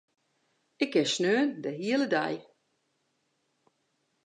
Ik kin sneon de hiele dei.